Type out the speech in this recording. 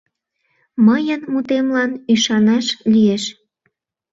Мыйын мутемлан ӱшанаш лиеш...